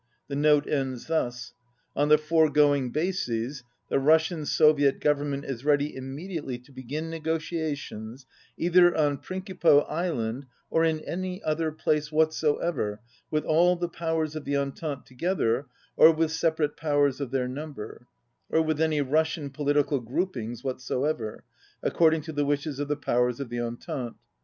The note ends thus : "On the foregoing bases the Russian Soviet Government is ready immediately to begin negotiations either 47 on Prinkipo island or in any other place whatso ever with all the powers of the Entente together or with separate powers of their number, or with any Russian political groupings whatsoever, ac cording to the wishes of the powers of the Entente.